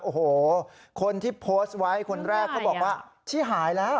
โอ้โหคนที่โพสต์ไว้คนแรกเขาบอกว่าที่หายแล้ว